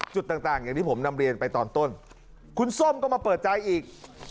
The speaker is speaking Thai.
จุดต่างอย่างที่ผมนำเรียนไปตอนต้นคุณส้มก็มาเปิดใจอีก